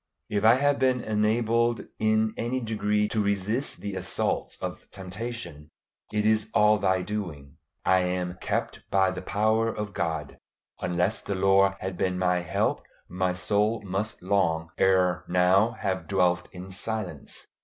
If I have been enabled in any degree to resist the assaults of temptation, it is all Thy doing. I am "kept by the power of God." Unless the Lord had been my help, my soul must long ere now have dwelt in silence.